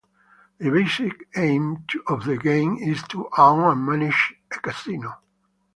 The basic aim of the game is to own and manage a casino.